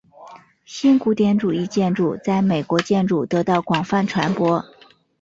新古典主义建筑在美国建筑得到广泛传播。